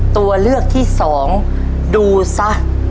ตัวเลือกที่สองดูซะ